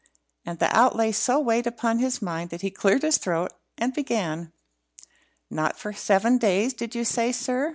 And the outlay so weighed upon his mind that he cleared his throat and began: "Not for seven days, did you say, sir?